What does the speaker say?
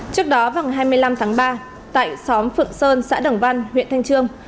trước đó vào ngày hai mươi năm tháng ba tại xóm phượng sơn xã đồng văn huyện thanh trương